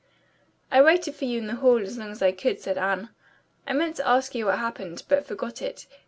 "I waited for you in the hall as long as I could," said Anne. "I meant to ask you what happened, but forgot it.